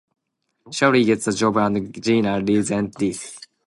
Shelley gets the job and Geena resents this.